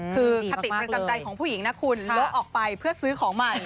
คือคติประจำใจของผู้หญิงนะคุณโละออกไปเพื่อซื้อของใหม่